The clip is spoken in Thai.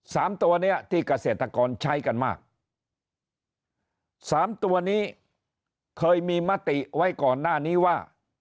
สามตัวเนี้ยที่เกษตรกรใช้กันมากสามตัวนี้เคยมีมติไว้ก่อนหน้านี้ว่า